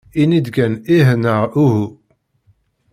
Ini-d kan ih neɣ uhu.